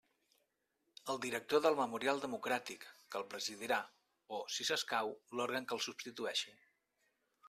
El director del Memorial Democràtic, que el presidirà, o, si s'escau, l'òrgan que el substitueixi.